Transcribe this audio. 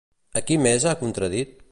A qui més ha contradit?